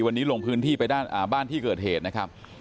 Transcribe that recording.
วันนี้ลงพื้นที่ไปบ้านที่เกิดเหตุนะครับ